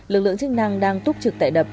lực lượng chức năng đang túc trực tại đập